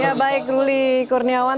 ya baik ruli kurniawan